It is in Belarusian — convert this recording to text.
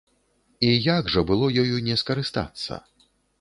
І як жа было ёю не скарыстацца!